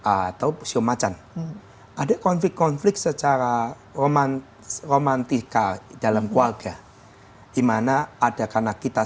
atau siomacan ada konflik konflik secara romantika dalam keluarga dimana ada karena kita